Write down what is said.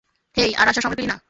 হেই, আর আসার সময় পেলি না?